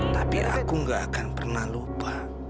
tapi aku gak akan pernah lupa